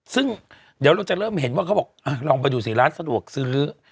ซึ่งเดี๋ยวเราจะเริ่มเห็นว่าเขาบอกลองไปดูสิร้านสะดวกซื้อ